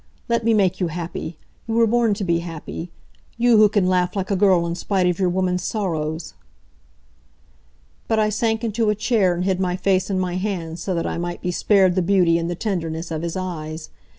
Let me make you happy you were born to be happy you who can laugh like a girl in spite of your woman's sorrows " But I sank into a chair and hid my face in my hands so that I might be spared the beauty and the tenderness of his eyes.